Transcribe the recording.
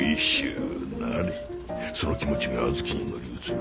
その気持ちが小豆に乗り移る。